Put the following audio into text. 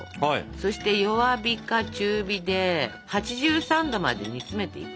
そして弱火か中火で８３℃まで煮詰めていくんですが。